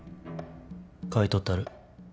買い取ったる。